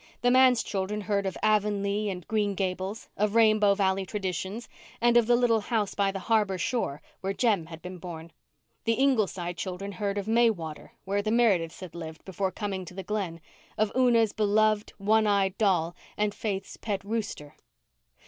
The manse children heard of Avonlea and Green Gables, of Rainbow Valley traditions, and of the little house by the harbour shore where Jem had been born. The Ingleside children heard of Maywater, where the Merediths had lived before coming to the Glen, of Una's beloved, one eyed doll and Faith's pet rooster.